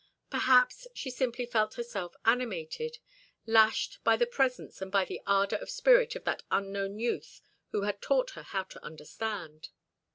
Perhaps she simply felt herself animated, lashed by the presence and by the ardor of spirit of that unknown youth who had taught her how to understand.